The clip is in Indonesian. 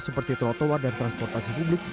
seperti trotoar dan transportasi publik